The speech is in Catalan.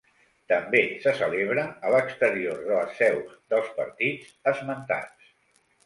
També se celebra a l'exterior de les seus dels partits esmentats.